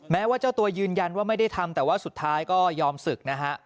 แม้ว่าเจ้าตัวยืนยันว่าไม่ได้ทำแต่ว่าสุดท้ายก็ยอมศึกนะฮะ